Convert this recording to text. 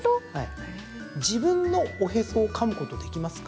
自分のおへそをかむことはできますか？